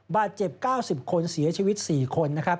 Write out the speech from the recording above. บาดเจ็บ๙๐คนเสียชีวิต๔คน